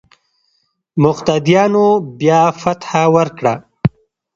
مقتديانو بيا فتحه ورکړه.